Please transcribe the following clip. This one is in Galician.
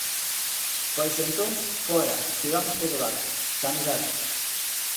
Pois entón, fóra, sigamos co debate: sanidade.